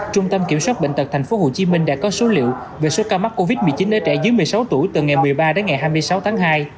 trung tâm kiểm soát bệnh tật tp hcm đã có số liệu về số ca mắc covid một mươi chín ở trẻ dưới một mươi sáu tuổi từ ngày một mươi ba đến ngày hai mươi sáu tháng hai